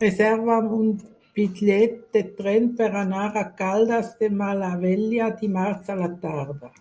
Reserva'm un bitllet de tren per anar a Caldes de Malavella dimarts a la tarda.